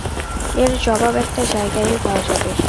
এর জবাব একটা জায়গায়ই পাওয়া যাবে।